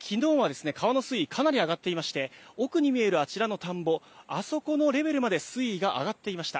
きのうはですね、川の水位かなり上がっていまして、奥に見えるあちらの田んぼ、あそこのレベルまで水位が上がっていました。